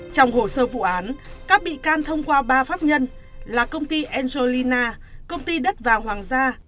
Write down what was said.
trong hồ sơ vụ án các bị can thông qua ba pháp nhân là công ty angelina công ty đất vàng hoàng gia